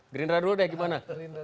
gerindra dulu deh gimana